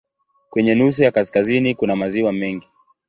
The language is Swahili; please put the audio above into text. Kwenye nusu ya kaskazini kuna maziwa mengi.